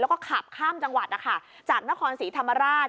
แล้วก็ขับข้ามจังหวัดนะคะจากนครศรีธรรมราช